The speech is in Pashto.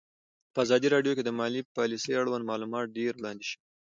په ازادي راډیو کې د مالي پالیسي اړوند معلومات ډېر وړاندې شوي.